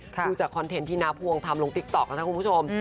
ดูจากคอนเทนต์ที่น้าพวงทำลงติ๊กต๊อกแล้วนะคุณผู้ชม